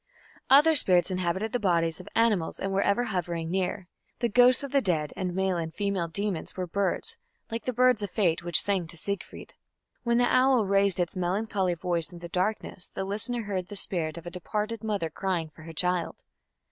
Other spirits inhabited the bodies of animals and were ever hovering near. The ghosts of the dead and male and female demons were birds, like the birds of Fate which sang to Siegfried. When the owl raised its melancholy voice in the darkness the listener heard the spirit of a departed mother crying for her child.